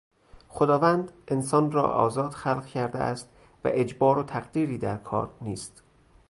خداوند انسان را آزاد خلق کرده است و اجبار و تقدیری در کار نیست.